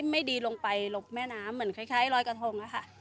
ไม่ดีลงไปหลบแม่น้ำเหมือนคล้ายรอยกระทงอะค่ะ